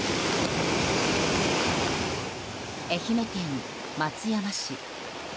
愛媛県松山市。